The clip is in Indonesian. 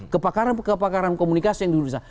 kepakaran komunikasi yang duduk di sana